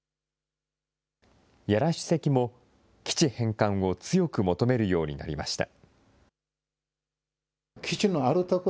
屋良主席も基地返還を強く求めるようになりました。